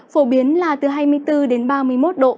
phổ biến là từ hai mươi bốn đến ba mươi một độ